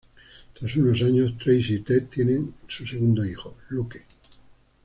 Tras unos años, Tracy y Ted tienen a su segundo hijo, Luke.